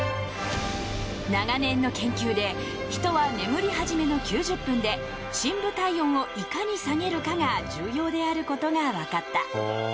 長年の研究で人は眠り始めの９０分で深部体温をいかに下げるかが重要であることがわかった。